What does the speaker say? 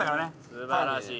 すばらしい。